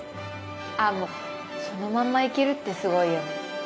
ああもうそのまんまいけるってすごいよ。